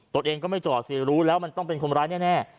ตัวเองก็ไม่จอดสิรู้แล้วมันต้องเป็นคนร้ายแน่